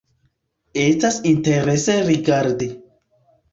Estas interese rigardi.